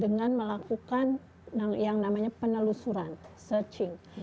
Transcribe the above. dengan melakukan yang namanya penelusuran searching